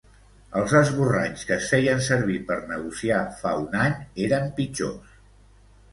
Els esborranys que es feien servir per negociar fa un any eren pitjors.